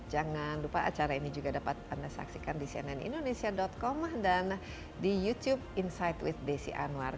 jangan lupa acara ini juga dapat anda saksikan di cnnindonesia com dan di youtube insight with desi anwar